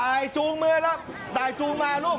ใต้จูงมือแล้วใต้จูงมาลูก